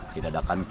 tidak ada kan